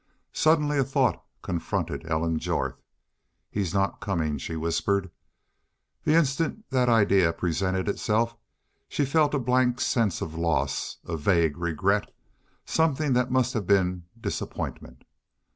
Suddenly a thought confronted Ellen Jorth: "He's not comin'," she whispered. The instant that idea presented itself she felt a blank sense of loss, a vague regret something that must have been disappointment.